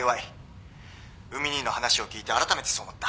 海兄の話を聞いてあらためてそう思った。